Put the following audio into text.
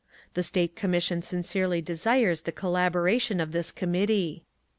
The State Commission sincerely desires the collaboration of this Committee.